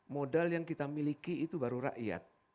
modal yang kita miliki itu baru rakyat